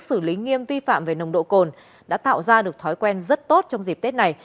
xử lý nghiêm vi phạm về nồng độ cồn đã tạo ra được thói quen rất tốt trong dịp tết này